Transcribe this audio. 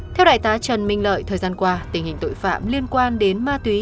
theo đại tá trần minh lợi thời gian qua tình hình tội phạm liên quan đến ma túy